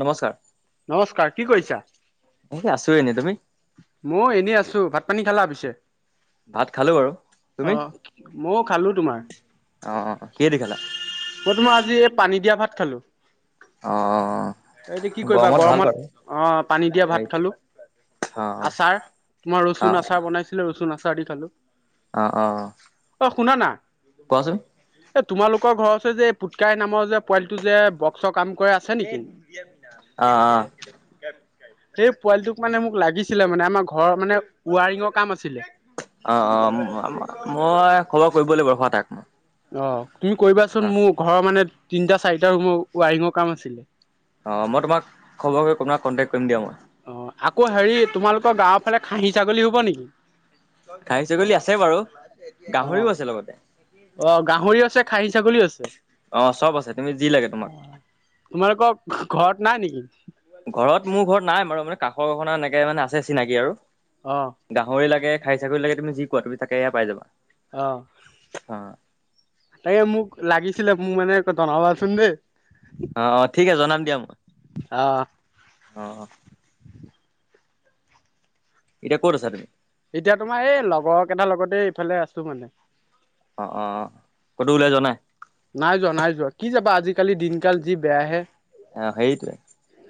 নমস্কাৰ। নমস্কাৰ কি কৰিছা? এই আছো এনেই তুমি মই এনেই আছো ভাত পানী খালা পিছে। ভাত খালো বাৰু তুমি? মইও খালো তোমাৰ। অ কিহেদি খালা মই তোমাৰ আজি এই পানী দিয়া ভাত খালোঁ‌। অ এতিয়া কি কৰিবা? ভাল বাৰু গৰমত অ' পানী দিয়া হেৰি ভাত খালো। অ' আচাৰ তোমাৰ অ ৰচুন আচাৰ বনাইছিলে। ৰচুন আচাৰ দি খালো। অ' অ' অ' অ' শুনা না। কোৱাচোন এ তোমালোকৰ ঘৰ হৈছে যে এই পুটকাই নামৰ যে পোৱালিটো যে বক্সৰ কাম কৰে আছে নেকি? অ' অ' সেই পোৱালিটোক মানে মোক লাগিছিলে মানে আমাৰ ঘৰৰ মানে ৱাৰিঙৰ কাম আছে। অ' অ' মই খবৰ কৰিব লাগিবৰ হোৱা তাক মই অ' তুমি কৰিবাচোন মোৰ ঘৰৰ মানে তিনটা চাৰিটা ৰুমৰ ৱাইৰিঙৰ কাম আছিলে। অ' মই তোমাক খবৰ গ তোমাক কটেক অ' আকৌ হেৰি তোমালোকৰ গাঁৱৰ ফালে খাহী ছাগলী হব নেকি? খাহী ছাগলী আছে বাৰু গাহৰিও আছে লগতে অ' গাহৰি আছে খাই ছাগলি আছে অ চব আছে তুমি যি লাগে তোমাক তোমালোকৰ ঘৰত। নাই নেকি? ঘৰত মোৰ ঘৰত নাই বাৰু মানে কাষৰ ঘখনা এনেকে মানে আছে চিনাকি আৰু। অ গাহৰি লাগে খাই চাকৰি লাগে তুমি যি কোৱা তুমি তাকে সয়া পাই যাবা। আহ অ তাকে মোক লাগিছিলে মোক মানে জনাবাচোন দেই। অ' অ' ঠিক আছে জনাম দিয়া মই অ অ' অ' এতিয়া ক'ত আছা? এতিয়া তোমাৰ এই লগৰক এটাৰ লগতে ইফালে আছো মানে। অ অ ক'তো ওলাই যোৱা নাই নাই যোৱা, নাই যোৱা কি যাবা আজি কালি দিনকাল যি বেয়াহে। আহ সেইটোৱে।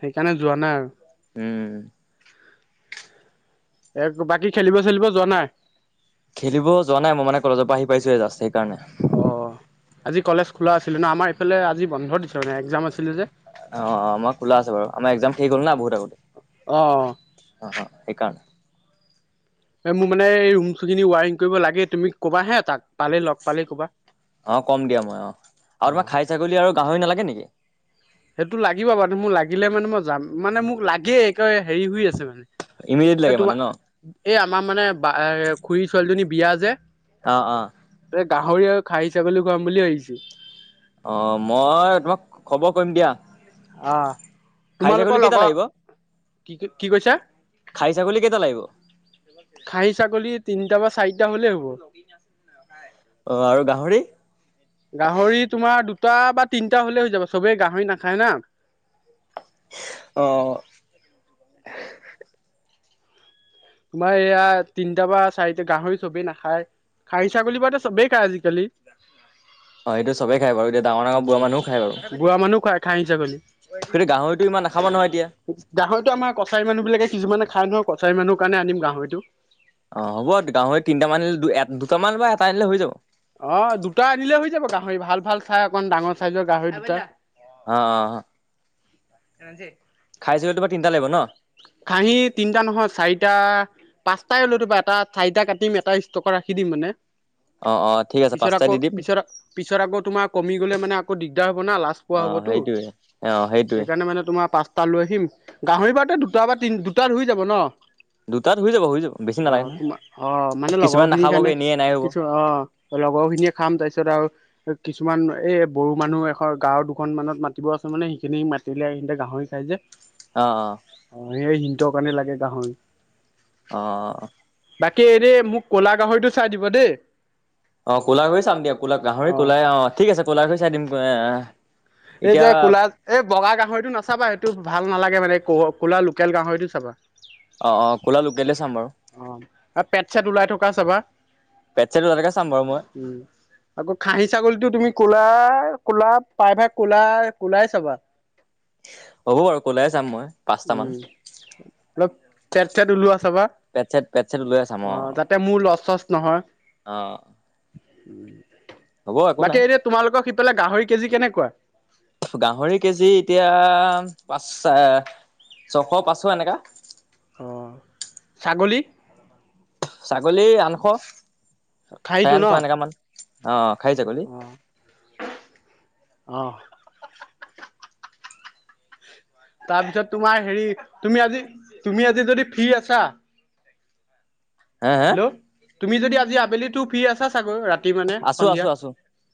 সেইকাৰণে যোৱা নাই আৰু। উম। এ বাকী খেলিব চেলিব যোৱা নাই। খেলিব যোৱা নাই মই মানে কলেজৰ পৰা আহি পাইছো জাষ্ট সেইকাৰণে। অ আজি কলেজ খোলাছিলে ন আমাৰফালে আজি বন্ধ দি একাম আছিল। অঁ অঁ আমাৰ খোলা আছে বাৰু আমাৰ একজাম ঠিক হ'ল না বহুত অ আগতে। অঁ অঁ সেই কাৰণ। মোৰ মানে এই ৰুম খিনি ৱাইৰিং কৰিব লাগে তুমি ক'বা হে তাক পালে লগ পালে কবা। অঁ কম দিয়া মই অ অ আৰু তোমাৰ খাই ছাগলী আৰু গাহৰি নালাগে নেকি? সেইটো লাগিব মাৰুে মোক লাগিলে মানে মই যাম মানে মোক লাগে একে হেৰি হৈ আছে মানে। ইমিডিয়েট এ লাগে মানে তোমাৰ ন এই আমাৰ মানে বা খুৰী ছোৱালীজনী বিয়া যে। অঁ অঁ এ গাহৰি আৰু খাহি ছাগলী খাম বুলি ভাবিছোঁ। অঁ মই তোমাক খবৰ কৰিম দিয়া। অঁ খাহী ছাগলী তোমালোকৰ কেইটা লগৰ। লাগিব কি কি কৈছা? খাহী ছাগলী কেইটা লাগিব খাহী ছাগলী তিনিটা বা চাৰিটা হলে হ'ব। অ আৰু গাহৰি গাহৰি তোমাৰ দুটা বা তিনটা হলে হৈ যাব চবেই গাহৰি নাখায় না। অঁ। তোমাৰ এইয়া তিনটা বা চাৰিটা গাহৰি চবি নাখায়। খাই ছাগলী বা ত চবেই খাই আজিকালি। অঁ সেইটো চবেই খাই বাৰু। এতিয়া ডাঙৰ ডাঙৰ বুঢ়া উম, মানুহো খাই বাৰু। বুঢ়া মানুহ খায় খাহী ছাগলী। সেটো গাহৰিটো। ইমান নাখাব নহয় এতিয়া। গাহৰিতো আমাৰ কছাৰী মানু্হ বিলাকে কিছুমানে খাই নহয়। কছাৰী মানুহৰ কাৰণে আনিম গাহৰিটো। অঁ হ'ব গাহৰি তিনটা মান দু এটা। আনিলে হৈ যাব অঁ দুটা আনিলে হৈ যাব গা গাহৰি ভাল ভাল চাই অকন ডাঙৰ চাইজৰ গাহৰি দুটা। অঁ অঁ। তিনিটা লাগিব ন খাহি তিনটা নহয় চাৰিটা। এতিয়া পাঁচটাই নটো বা এটা চাৰিটাই এটা ষ্টকত ৰাখি দিম মানে। অঁ অঁ। পিছত আকৌ পিছত পিছত আকৌ তোমাৰ কমি গলে মানে আকৌ দিগদাৰ হব না, লাজ পোৱা অ হবতো। সেইটোৱে অ সেইটোৱে সেইকাৰণে মানে তোমাৰ পাঁচটা লৈ আহিম। গাহৰি বাৰুতে দুটা বা তিন দুটা ধুই যাব ন। দুটাত হৈ যাব হৈ যাব বেছি নালাগে অঁ নহয় তোমাৰ অঁ, মানে লগৰ কিছুমান খিনিৰ নাখাবগৈ কাৰণে। এনেই এনাই হ'ব অ কিছু অঁ লগৰ খিনিয়ে খাম। তাৰপিছত আওঁ কিছুমান এই বড়ো মানুহ এঘৰ, গাঁৱৰ দুখন মানত মাতিব আছে মানে সেইখিনি মাতিলে এইখিনিতে গা। গাহৰি খাই যে। অঁ সেই সিটৰ কাৰণে লাগে গাহৰি। অঁ। বাকী এ দে মোক ক'লা গাহৰিটো চাই দিব দেই। অঁ ক'লা গাহৰি চাম দিয়া। ক'লা গাহৰি অ ক'লাই অঁ। ঠিক আছে ক'লা গাহৈ চাই দিম। এহ এ। এ যে কোলা এই বগা গাহৰিটো নাচাবা সেইটো। ভাল নালাগে মানে কোলা লোকেল গাহৰিটো চাবা। অ অ ক'লা লোকেলে চাম বাৰু অঁ পেট চেট ওলাই থকা চাবা। পেট চেট ওলালেকে চাম বাৰু মই উম। আকৌ খাহী ছাগলীটো তুমি কলা। ৰ ক'লা পায়ভাগ কোলাৰ কোলাই চাবা। হ'ব বাৰু ক'লাই চাম মই পাঁচটামান উম। পেট চেট ওলোৱা চাবা। পেট চেট পেট চেট ওলাই অঁ যাতে মোৰ লচ চচ নহয়। অঁ। ওম। বাকী এতিয়া তোমালোকক সিফালে গাহৰি কেজি কেনেকুৱা? গাহৰি কেজি এতিয়া পাঁচ চে ছশ পাঁচশ এনেকা। অহ, ছাগলী? ছাগলী আঠশ, চাৰে আঠশ এনেকামান অ',। খাহী ছাগলী অহ - অহ। তাৰপিছত তোমাৰ হেৰি তুমি আজি তুমি আজি যদি ফ্ৰী আছা হে হে হেল্ল', তুমি যদি আজি আবেলিটো ফ্ৰী আছা চাগৈ? ৰাত ৰাতি মানে আছো সন্ধিয়া? আছো আছো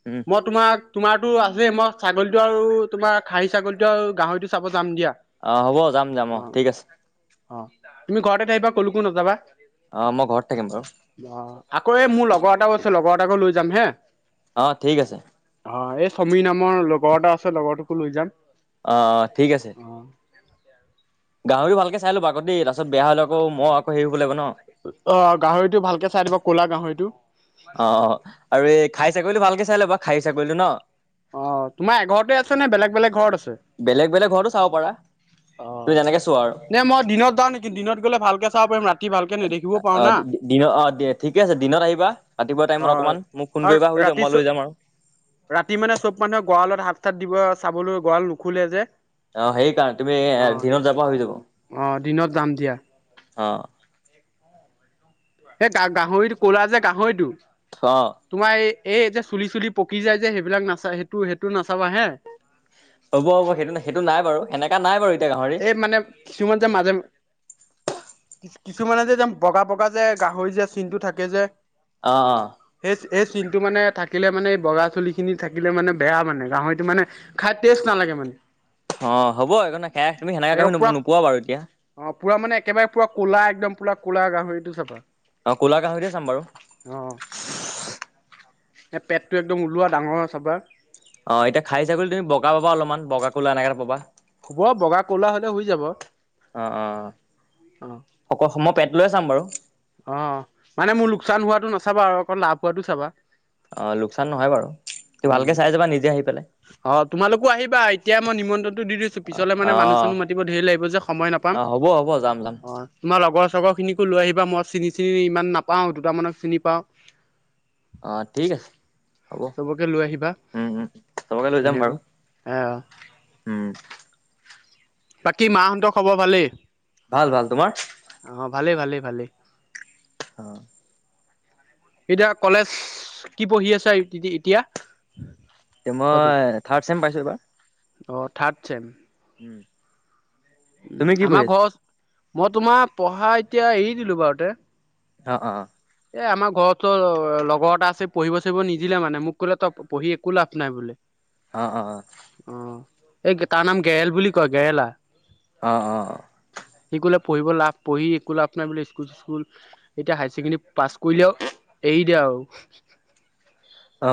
উম মই তোমাক তোমাৰ টো আছে মই ছাগলীটো আৰু তোমাৰ খাহী ছাগলী টো আৰু গাহৰিটো চাব যাম দিয়া অহ, হ'ব যাম -যাম অহ ঠিক আছে। অহ, তুমি ঘৰতে থাকিবা ক'লৈকো নাযাবা। অহ, মই ঘৰত থাকিম বাৰু। অইয়ে, মোৰ লগৰ এটাও আছে লগৰ এটাকো লৈ যাম হে। অ ঠিক আছে অহ এইচ সমীৰ নামৰ লগৰ এটা আছে লগৰটোকো লৈ যাম। অ', - অ', ঠিক আছে। [inaudible] গাহৰি ভালকে চাই লবা আকৌ দেই তাৰপাছত বেয়া হ'লে আকৌ মই আকৌ হেৰি হ'ব লাগিব ন'। অহ, গাহৰিটো ভালকে চাই দিব ক'লা গাহৰিটো। অ', আৰু এই খাহী ছাগলীটো ভালকে চাই ল'বা খাহী ছাগলীটো ন'? অহ, তোমাৰ এঘৰতে আছে নে বেলেগ বেলেগ ঘৰত আছে? বেলেগ বেলেগ ঘৰতো চাব পাৰা তুমি অহ, যেনেকে চোৱা আৰু নে মই দিনত যাওঁ নেকি দিনত গ'লে ভালকে চাব পাৰিম ৰাতি ভালকে নেদেখিবও পাৰো অহ, না দিনত অহ ঠিকে আছে দিনত আহিবা ৰাতিপুৱা অ টাইমত অকমান মোক ফোন আৰু কৰিবা হৈ যাব। ৰাতি চ মই লৈ যাম আৰু। ৰাতি মানে চব মানুহে গঁৰালত হাত -চাত দিব চাবলৈ গঁৰা়ল নুখুলে যে। অহ, সেইকাৰণে তুমি অ দিনত যাবা হৈ যাব। অ দিনত যাম দিয়া। অহ এই গাহৰিটো ক'লা যে গাহৰিটো অ তোমাৰ এই এই- এই যে চুলি- চুলি পকি যায় যে সেইবিলাক নাচা সেইটো -সেইটো নাচাবা হে। হ'ব -হ'ব, সেইটো -সেইটো নাই বাৰু এনেকা নাই বাৰু। এতিয়া গাহৰি এই মানে কিছুমান যে মাজে কিছুমানে যে বগা -বগা যে গাহৰি যে চিনটো থাকে যে আহ - হ এই চিনটো মানে থাকিলে মানে এই বগা চুলি খিনি থাকিলে মানে বেয়া মানে গাহৰিটো মানে খাই টেষ্ট নালাগে। মানে অহ, হ'ব একোনাই সেয়া তুমি সেনেকাে একদম পুৰা তুমি নোকোৱা বাৰু এতিয়া। অ পুৰা মানে একেবাৰে পুৰা ক'লা একদম পুৰা ক'লা গাহৰিটো চাবা। অ', ক'লা গাহৰিটোয়ে চাম বাৰু। এ' পেটটো একদম ওলোৱা ডাঙৰ চাবা। অ', এতিয়া খাহি ছাগলী তুমি বগা পাবা অলপমান বগা কোলা এনেকা পাবা। তে হৈ যাব। অ', - অ', অকল মই পেট লৈ চাম বাৰু। অহ, মানে মোৰ লোকচান হোৱাটো নাচাবা আৰু অকন লাভ হোৱাটো চাবা। অ লোকচান নহয় বাৰু তুমি ভালকে উম, চাই যাবা নিজে আহি পেলাই অহ তোমালোকো আহিবা এতিয়াই মই নিমন্ত্ৰণ দি দিছো পিছলে মানে অ মানুহ চানোহ মাতিব ধেই লাগিব যে সময় নাপাম অ হ'ব হ'ব যাম যাম অহ তোমাৰ লগৰ লগৰ খিনিকো লৈ আহিবা মই চিনি -চিনি ইমান নাপাওঁ দুটামানক চিনি পাওঁ। অ ঠিক আছে হ'ব চবকে লৈ আহিবা উম উম চবকে লৈ যাম বাৰু ধুনীয়াকৈ। এয় উম বাকী মাহঁতৰ খবৰ ভালেই? ভাল ভাল তোমাৰ। ভালে ভালে ভালে [inaudible] এতিয়া কলেজ কি পঢ়ি আছা ইতিয়া। তে মই থাৰ্ড ছেম পাইছো এইবাৰ। অ থাৰ্ড ছেম। তুমি কি আমাৰ পঢ়ি - ঘৰ মই তোমাৰ পঢ়া এতিয়া এৰি দিলো বাৰুতে। অ অ অ এ আমাৰ ঘৰতো লগৰ এটা আছে পঢ়িব চঢ়িব নিদিলে মানে মোক কলে তই পঢ়ি একো লাভ নাই বোলে। অ অ অ অ এই তাৰ নাম গেৰেল বুলি কয় গেৰেলা। অ অ সি ক'লে পঢ়িব লাভ পঢ়ি একো লাভ নাই বুলি স্কুল চিস্কুল এতিয়া হায়াৰ ছেকেণ্ডেৰী- পাছ কৰিলে আও এৰি দে আও। অ।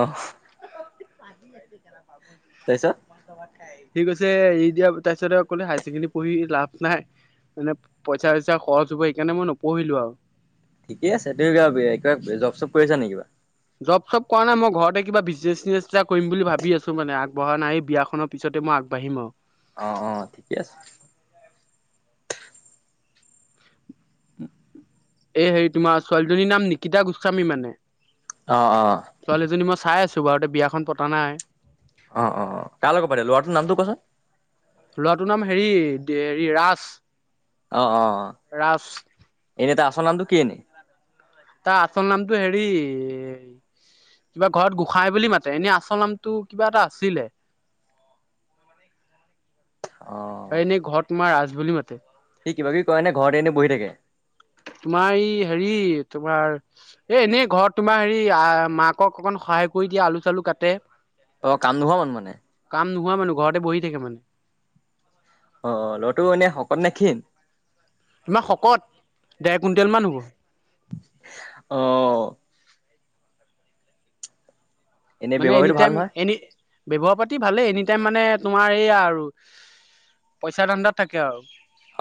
কাজি আছে কেলা। তাইচত সি কৈছে এৰি দিয়া তাপিছত কলে হায়াৰ ছেকেণ্ডৰী পঢ়ি লাভ নাই। মানে পইচা চইচা খৰচ হব সেইকাৰণে মই নপঢ়িলো আও। ঠিকেই আছে তুমি কিবা কিবা জব চব কৰিছা নে কিবা? জব চব কৰা নাই মই ঘৰতে কিবা বিজনেচ চনে এটা কৰিম বুলি ভাবি আছো মানে আগবঢ়া নাই এই বিয়াখনৰ পিছতে মই আগবাঢ়িম আও। অ অ ঠিকে আছে। এই হেৰি তোমাৰ ছোৱালীজনীৰ নাম নিকিতা গোস্বামী মানে। অ', অ', ছোৱালীজনী মই চাই আছো বাৰুতে বিয়াখন পতা নাই। অ অ অ কাৰ লগত পাতে লৰাটোৰ নামটো কোৱাচোন। লৰাটোৰ নাম হেৰি হেৰি ৰাজ। অ অ ৰাজ এনে তা আচল নামটো কি এনেই। ত আচল নামটো হেৰি কিবা ঘৰত গোঁসাই বুলি মাতে এনে আচল নামটো কিবা এটা আছিলে। অ', এনেই ঘৰত তোমাৰ ৰাজ বুলি মাতে। সি কিবা কিবি কয় নে ঘৰতে এনে বহি থাকে। তোমাৰ এই হেৰি তোমাৰ এ এনে ঘৰত তোমাৰ হেৰি মাকক অকন হা- সহাই কৰি দিয়া আলু চালু কাটে। অ কাম নোহোৱা মানুহ মানে সোৱা মানুহ ঘৰতে বহি থাকে মানে। অ ল'ৰাটো এনে শকত নে ক্ষীণ। তোমাৰ শকত ডেৰ কুইণ্টেল মান হ'ব। আহ। এনে মানে ব্যৱহাৰ পাতি ভাল এনিটাইম নহয়? এ ব্যৱহাৰ পাতি ভালেই এনি টাইম মানে তোমাৰ এইয়া আৰু পইচা ধাণ্ডাত থাকে আৰু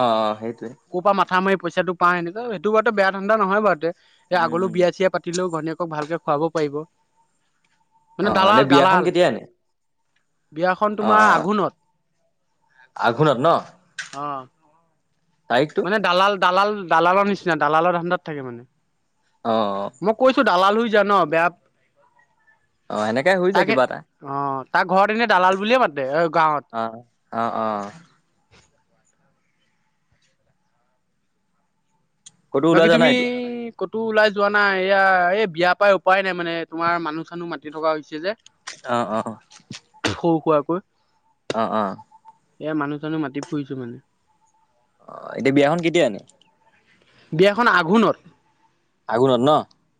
অ সেইটোৱে। ক'ৰ পৰা মাথা মাৰি পইচাটো পা এনে ত সেইটো বাৰু বেয়া ধাণ্ডা নহয় বাতদে আগলৈ উম, বিয়া চিয়া পাতিলেও ঘনী- ভালকে খুৱাব পাৰিব মানে অ', অ এনে দালাল বিয়াখন দালাল। কেতিয়া এনে? বিয়াখন অ', তোমাৰ অ', আঘোণত। আঘোণত ন। অ তাৰিখটো? মানে দালাল দালাল দালালৰ নিচিনা দালালৰ ধাণ্ডাত থাকে মানে। অ', মই কৈছো দালাল হৈ যা ন বেয়া। অ' এনেকাই শ যায় তাকে কিবা এটা। অ তাৰ ঘৰত এনে দালাল বুলিয়ে মাতে অ' অ', অ', অ', গাঁৱত। ক'তো বাকি ওলাই যোৱা তুমি। নাই এতিয়া? ক'তো ওলাই যোৱা নাই। এয়া এই বিয়া পাই উপায় নাই মানে তোমাৰ মানুহ চানুহ মাতি থকা হৈছে যে। আহ অ'। খৌ খোৱাকৈ অ' অ' এ মানুহ চানুহ মাতি ফুৰিছো মানে। অ' এতিয়া বিয়াখন কেতিয়া এনেই। বিয়াখন আঘোণত। আগুনত ন।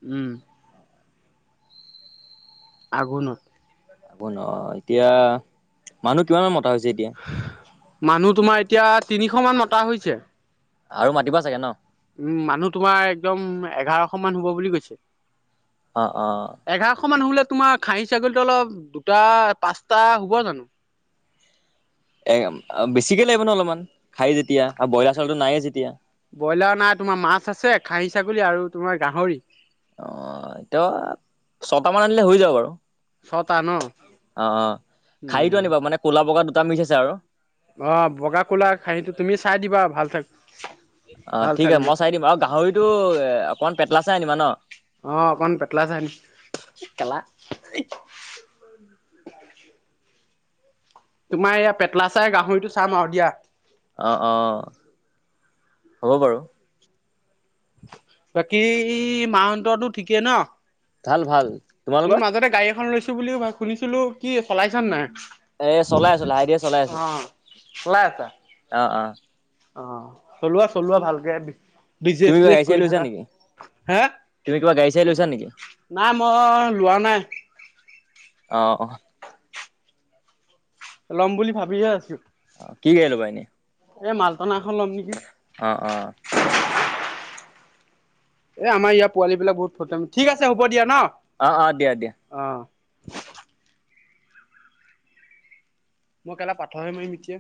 উম উম। আগোনত। আকৌ ন এতিয়া মানুহ কিমান মান মতা হৈছে এতিয়া। মানুহ তোমাৰ এতিয়া তিনিশ মান মতা হৈছে। আৰু মাতিবা চাগে ন। উম মানুহ তোমাৰ একদম এঘাৰশ মান হ'ব বুলি কৈছে। অ', অ', এঘাৰশ মান হ'লে তোমাৰ। খাহী ছাগলীটো অলপ দুটা পাঁচটা হ'ব জানো। এ বেছিকে লাগিব ন অলপমান। খাই যেতিয়া আৰু ব্ৰইলাৰ চাউলটো নাইয়ে যেতিয়া ব্ৰইলাৰ নাই। তোমাৰ মাছ আছে খাইি ছাগলী আৰু তোমাৰ গাহৰি। অ' এতিয়া ছয়টা মান আনিলে হৈ যাব বাৰু ছটা ন? অ' অ' খাহিতো উম, আনিবা। মানে ক'লা বগা দুটা মিচ আছে আৰু অ' বগা কোলা খাহীটো তুমি চাই দিবা ভাল চে অ' ঠিক আছে মই চাই দিম আৰু গাহৰিটো অকণমান পেটলা ছাই আনিবা। ন অ' অকণ পেটলা চাই পিনি কেলা [unintelligible] তোমাৰ এইয়া পেটলা চাই গাহৰিটো চাম আৰু দিয়া। অ' অ' হ'ব বাৰু বাকী মাহহতঁৰটো ঠিকেই ন ভাল ভাল। তুমি তোমালোকৰ? মাজতে গাড়ী এখন লৈছো বুলি। শুনিছিলো কি চলাইচানে নাই। এ চলাই আছো লাহে ধীৰে চলাই আছো। অ' চলাই আছা। অ', অ'। অ' চলোৱা চলোৱা ভালকে তুমি কিবা গাড়ী বিজনেজ চাড়ী কৰি লৈছা থকা নেকি? হা তুমি কিবা গাড়ী চাড়ী লৈছা নেকি? নাই মই লোৱা নাই। আহ অ' ল'ম বুলি ভাবিহে আছোঁ। অ' কি গাড়ী আনিবা এনে এ মালটনা এখন ল'ম নেকি? আহ অ' এ আমাৰ ইয়াৰ পোৱালী বিলাক বহুত থটং ঠিক আছে হ'ব দিয়া অ', অ', দিয়া দিয়া। ন অ' মই কেলা পাঠৰহে মাৰিম এতিয়া।